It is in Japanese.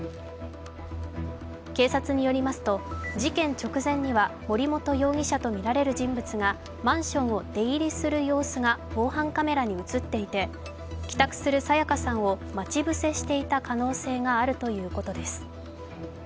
警察によりますと、事件直前には森本容疑者とみられる人物がマンションを出入りする様子が防犯カメラに映っていて帰宅する彩加さんを待ち伏せしていた可能性があるということです。